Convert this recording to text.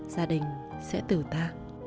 gia đình sẽ tử ta